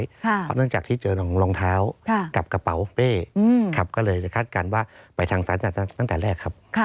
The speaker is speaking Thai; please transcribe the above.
เพราะเนื่องจากที่เจอรองเท้ากับกระเป๋าเป้ครับก็เลยคาดการณ์ว่าไปทางสารจัดตั้งแต่แรกครับ